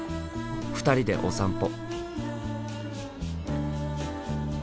２人でお散歩。